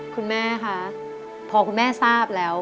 คุณแม่คะพอคุณแม่ทราบแล้ว